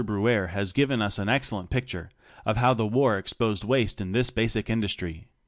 Bruere has given us an excellent picture of how the war exposed waste in this basic industry.